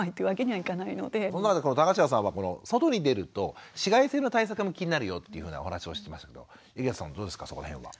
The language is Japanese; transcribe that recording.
田頭さんは外に出ると紫外線の対策も気になるよというふうなお話もしてましたけど井桁さんどうですかそこの辺は。